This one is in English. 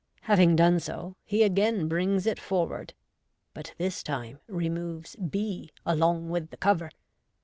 Having done so, he again brings it forward, but this time removes b along with the cover.